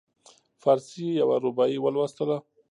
فارسي یوه رباعي ولوستله.